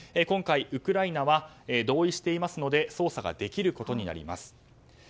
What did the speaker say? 今回、ウクライナは同意していますので捜査ができることになります。